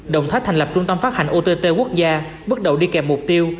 động thách thành lập trung tâm phát hành ott quốc gia bước đầu đi kèm mục tiêu